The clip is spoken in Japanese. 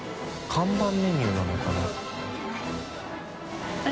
看板メニューなのかな？